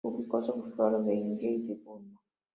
Publicó sobre flora de India y de Burma.